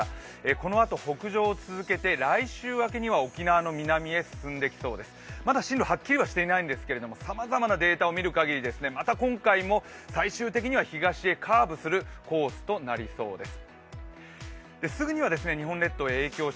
このあと北上を続けて来週明けには沖縄の南に進んできそうです、まだ進路ははっきりしていないんですがさまざまなデータを見る限り、また今回も、最終的には東へカーブするコースとなりそうです。